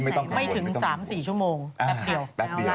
ไม่ถึง๓๔ชั่วโมงแป๊บเดียว